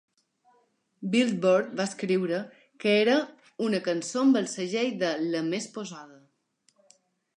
Billboard va escriure que era "una cançó amb el segell de "la més posada"".